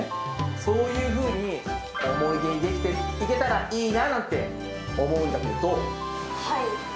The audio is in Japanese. そういうふうに思い出に出来ていけたらいいななんて思うんだけどはい！